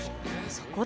そこで。